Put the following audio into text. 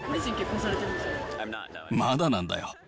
まだなんだよ。